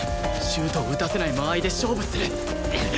シュートを撃たせない間合いで勝負する！